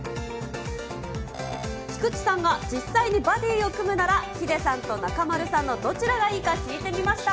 菊池さんが実際にバディを組むなら、ヒデさんと中丸さんのどちらがいいか聞いてみました。